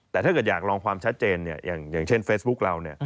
แต่ถ้าเกิดอยากลองความชัดเจนอย่างเช่นเฟซบุ๊คเรา